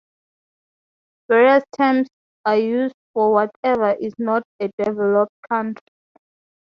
Various terms are used for whatever is not a developed country.